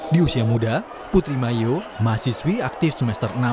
di usia muda putri mayo mahasiswi aktif semester enam